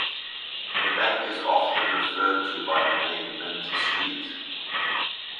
The bank is often referred to by the name Mint Street.